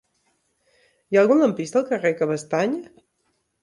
Hi ha algun lampista al carrer de Cabestany?